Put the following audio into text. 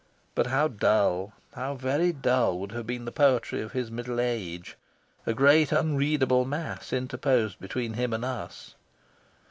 But how dull, how very dull, would have been the poetry of his middle age! a great unreadable mass interposed between him and us...